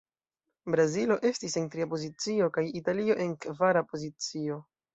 Brazilo estis en tria pozicio, kaj Italio en kvara pozicio.